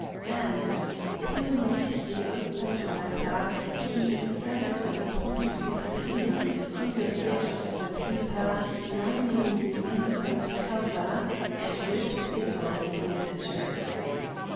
And, pulling off the outside wrapper, he inserted the point of his penknife under the edge of the paper lining the inside cover and ripped it off with a jerk.